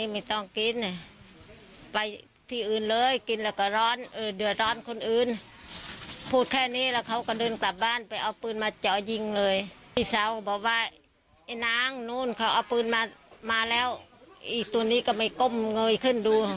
มาแล้วอีกตัวนี้ก็ไม่ก้มเงยขึ้นดู